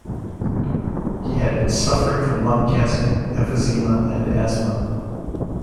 He had been suffering from lung cancer, emphysema and asthma.